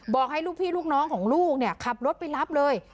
บอกให้ลูกพี่ลูกน้องของลูกเนี่ยขับรถไปรับเลย